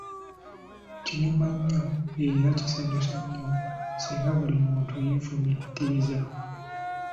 Kinyuma nnyo era kisanyusa nnyo singa buli muntu yeefumiitiriza.